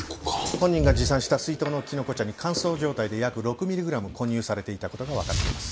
本人が持参した水筒のキノコ茶に乾燥状態で約６ミリグラム混入されていた事がわかっています。